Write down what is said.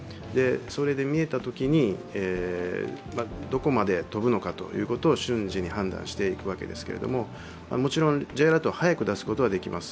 それで見えたときに、どこまで飛ぶのかを瞬時に判断していくわけですけれども、もちろんＪアラートを早く出すことはできます。